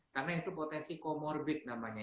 karena itu potensi comorbid namanya